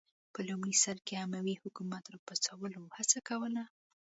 په لومړي سر کې اموي حکومت راپرځولو هڅه کوله